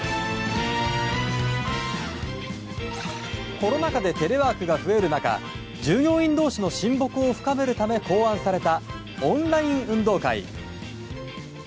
コロナ禍でテレワークが増える中従業員同士の親睦を深めるため考案された、